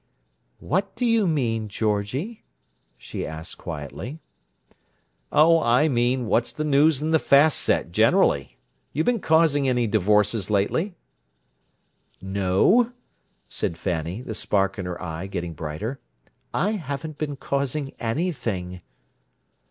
"What do you mean, Georgie?" she asked quietly. "Oh I mean: What's the news in the fast set generally? You been causing any divorces lately?" "No," said Fanny, the spark in her eye getting brighter. "I haven't been causing anything."